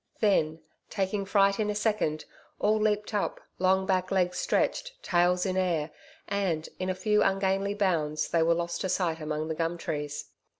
Then, taking fright in a second, all leaped up, long back legs stretched, tails in air, and, in a few ungainly bounds they were lost to sight among the gum trees.